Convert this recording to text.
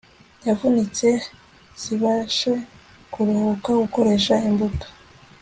zavunitse zibashe kuruhuka Gukoresha imbuto